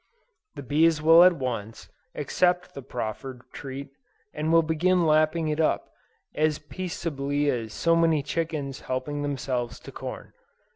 The bees will at once, accept the proffered treat, and will begin lapping it up, as peaceably as so many chickens helping themselves to corn.